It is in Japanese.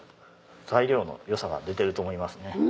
材料の良さが出てると思いますね。